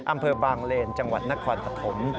อำเภอบางเลนจังหวัดนครปฐม